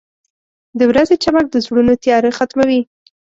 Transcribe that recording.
• د ورځې چمک د زړونو تیاره ختموي.